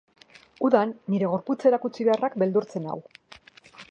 Udan, nire gorputza erakutsi beharrak beldurtzen nau.